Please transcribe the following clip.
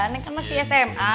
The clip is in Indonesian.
neng kan masih sma